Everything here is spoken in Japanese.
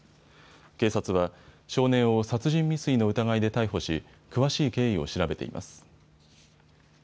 警察は少年を殺人未遂の疑いで逮捕し、詳しい経緯を調べています。